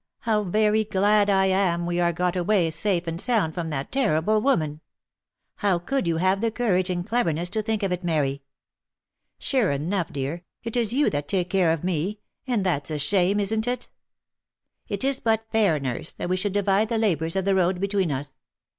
How very glad I am we are got away safe and sound from that terrible woman ! How could you have the courage and cleverness to think of it, Mary ? Sure enough, dear, it is you that take care of me — and that's a shame, isn't it V* " It is but fair, nurse, that we should divide the labours of the road between us.